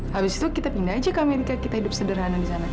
habis itu kita pindah aja ke amerika kita hidup sederhana di sana